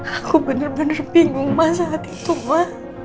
aku bener bener bingung ma saat itu ma